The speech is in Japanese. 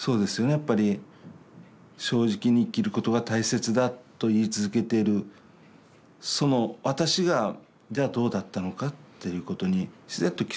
やっぱり正直に生きることが大切だと言い続けているその私がではどうだったのかっていうことに自然と気付くわけです。